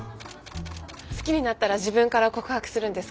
好きになったら自分から告白するんですか？